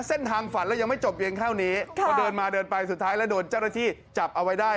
เส้นทางฝันแล้วยังไม่จบเย็นข้าวนี้พอเดินมาเดินไปสุดท้ายแล้วโดนเจ้ารถที่จับเอาไว้ได้